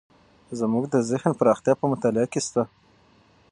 زموږ د ذهن پراختیا په مطالعه کې شته.